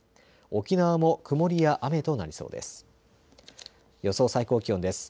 沖縄も曇りや雨となりそうです。